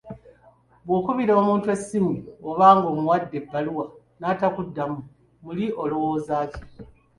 Bw'okubira omuntu essimu oba ng'omuwadde ebbaluwa n'atakuddamu, muli olowooza ki?